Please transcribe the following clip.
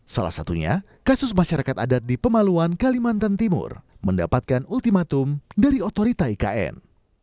salah satunya kasus masyarakat adat di pemaluan kalimantan timur mendapatkan ultimatum dari otorita ikn